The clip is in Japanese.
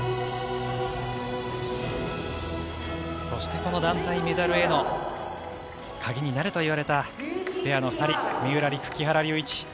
そしてこの団体メダルへの鍵になるといわれたペアの２人三浦璃来、木原龍一。